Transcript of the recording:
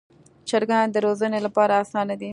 چرګان د روزنې لپاره اسانه دي.